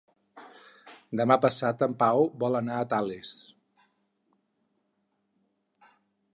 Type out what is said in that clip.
Demà passat en Pau vol anar a Tales.